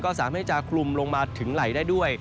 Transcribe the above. ก็สามารถที่จะคลุมลงมาถึงไหล่ได้ด้วย